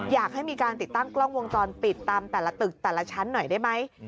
อยากให้มีการติดตั้งกล้องวงจรปิดตามแต่ละตึกแต่ละชั้นหน่อยได้ไหม